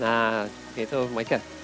nah itu mereka